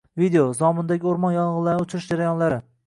Video: Zomindagi o‘rmon yong‘inlarini o‘chirish jarayonlari